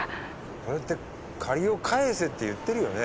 それって借りを返せって言ってるよね。